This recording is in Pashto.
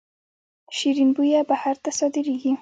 شیرین بویه بهر ته صادریږي